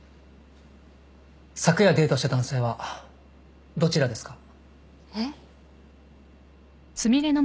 昨夜デートした男性はどちらですか？